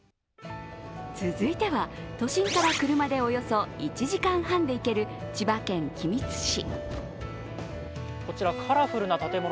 続いては都心から車でおよそ１時間半で行ける千葉県君津市。